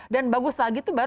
dan bagus lagi itu baru